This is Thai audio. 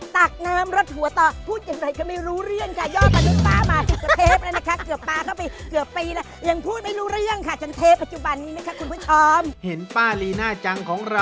ตักน้ำรดหัวต่อพูดอย่างไรก็ไม่รู้เรื่องค่ะ